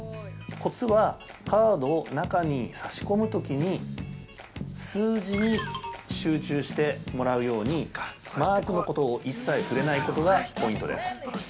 コツは、カードを中に挿し込むときに、数字に集中してもらうように、マークのことを一切触れないことがポイントです。